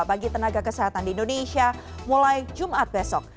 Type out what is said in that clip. bagi tenaga kesehatan di indonesia mulai jumat besok